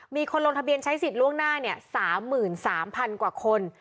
มีคนลงทะเบียนใช้สิทธิ์ล่วงหน้า๓๓๐๐๐กว่าคน